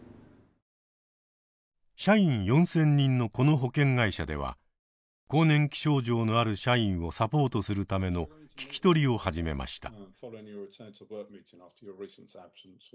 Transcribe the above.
社員４，０００人のこの保険会社では更年期症状のある社員をサポートするための聞き取りを始めました。